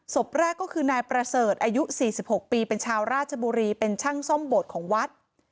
ศพแรกก็คือนายประเสริฐอายุ๔๖ปีเป็นชาวราชบุรีเป็นช่างซ่อมโบสถ์ของวัด